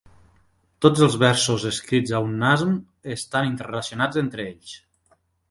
Tots els versos escrits a un Nazm estan interrelacionats entre ells.